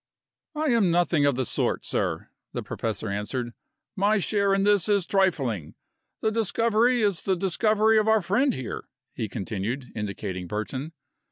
"I am nothing of the sort, sir," the professor answered. "My share in this is trifling. The discovery is the discovery of our friend here," he continued, indicating Burton.